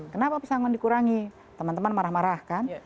kenapa pesangon dikurangi teman teman marah marah kan